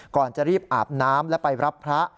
ก่อนจะรีบอาบน้ำและไปรับพระ